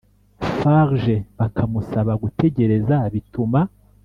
farg bakamusaba gutegereza bituma